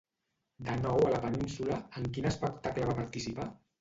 De nou a la península, en quin espectacle va participar?